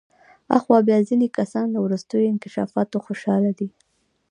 آخوا بیا ځینې کسان له وروستیو انکشافاتو خوشحاله دي.